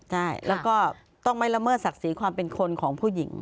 ใช่แล้วก็ต้องไม่ละเมิดศักดิ์ศรีความเป็นคนของผู้หญิง